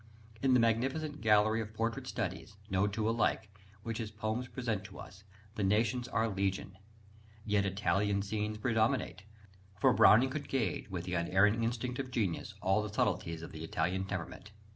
In the magnificent gallery of portrait studies, no two alike, which his poems present to us, the nationalities are legion. Yet Italian scenes predominate; for Browning could gauge, with the unerring instinct of genius, all the subtleties of the Italian temperament.